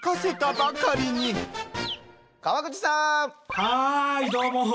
はいどうも。